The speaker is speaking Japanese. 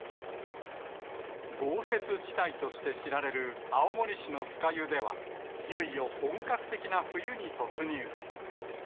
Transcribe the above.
豪雪地帯として知られる青森市の酸ヶ湯では、いよいよ本格的な冬に突入。